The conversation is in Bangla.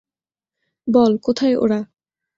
বল কোথায় ওরা?